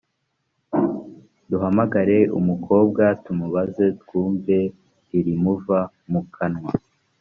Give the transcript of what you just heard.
duhamagare umukobwa tumubaze twumve irimuva mu kanwa